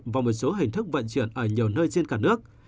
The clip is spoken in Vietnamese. và một số hình thức vận chuyển ở nhiều nơi trên cả nước